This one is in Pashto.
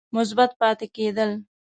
مثبت پاتې کېد ل